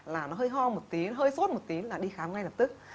là nó hơi ho một tí hơi sốt một tí là đi khám ngay lập tức